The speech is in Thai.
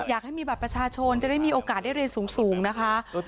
อยากให้มีบัตรประชาชนจะได้มีโอกาสได้เรียนสูงนะคะ